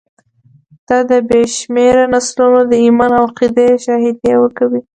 دا د بې شمېره نسلونو د ایمان او عقیدې شاهدي ورکوي.